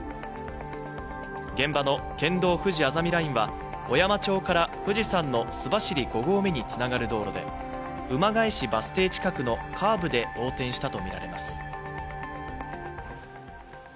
現場の県道ふじあざみラインは小山町から富士山の須走５合目につながる道路で馬返しバス停近くのカーブで横転したとみられます。